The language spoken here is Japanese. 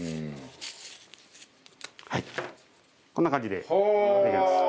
はいこんな感じでできました。